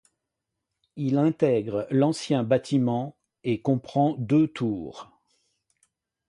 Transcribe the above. Il intègre l'ancien bâtiment, et comprend deux tours.